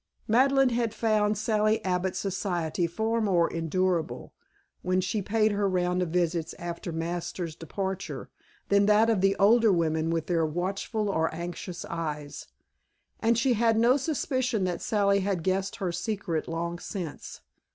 Madeleine had found Sally Abbott's society far more endurable, when she paid her round of visits after Masters' departure, than that of the older women with their watchful or anxious eyes, and she had no suspicion that Sally had guessed her secret long since.